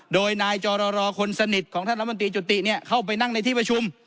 โดยนายจรรมรคนสนิทของท่านธนาคมตีจุติเนี่ยเข้าไปนั่งในที่ประชุม